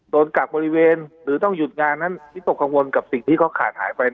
กักบริเวณหรือต้องหยุดงานนั้นวิตกกังวลกับสิ่งที่เขาขาดหายไป